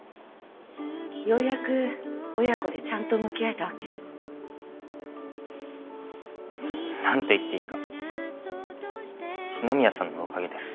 ようやく親子でちゃんと向き合えたわけ。なんて言っていいか篠宮さんのおかげです。